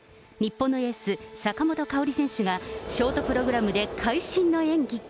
日本のエース、坂本花織選手が、ショートプログラムで会心の演技。